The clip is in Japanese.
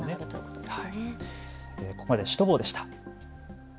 ここまでシュトボーでした。